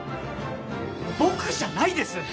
僕じゃないです！